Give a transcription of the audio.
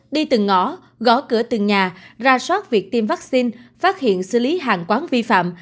đi từng ngõ gõ cửa từng nhà ra soát việc tiêm vaccine phát hiện xử lý hàng quán vi phạm